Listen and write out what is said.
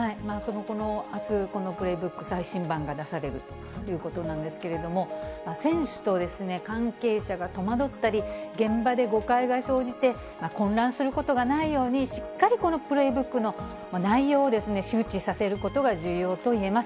あす、このプレイブック最新版が出されるということなんですけれども、選手と関係者が戸惑ったり、現場で誤解が生じて、混乱することがないように、しっかりこのプレイブックの内容を周知させることが重要と言えます。